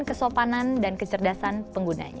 dan juga memperkenalkan kesopanan dan kecerdasan penggunanya